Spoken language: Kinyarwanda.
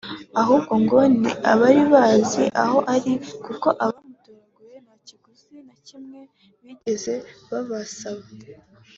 ahubwo ngo ni abari bazi aho ari kuko abamutoraguye nta kiguzi na kimwe bigeze babasaba